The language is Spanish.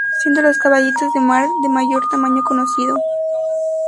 Siendo los caballitos de mar de mayor tamaño conocido.